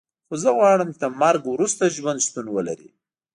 خو زه غواړم چې له مرګ وروسته ژوند شتون ولري